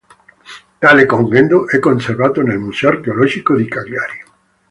Tale congedo è conservato nel museo archeologico di Cagliari.